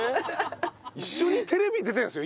一緒にテレビ出てるんですよ